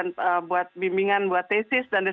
nah ini s tiga ini